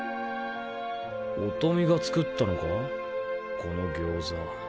音美が作ったのかこの餃子。